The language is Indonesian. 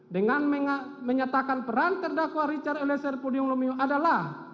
dengan menyatakan peran terdakwa richard eliezer pudium lumiu adalah